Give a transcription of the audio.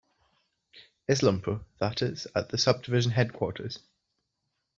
Islampur, that is, at the Subdivision Headquarters.